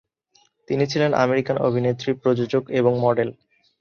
তিনি ছিলেন আমেরিকান অভিনেত্রী, প্রযোজক এবং মডেল।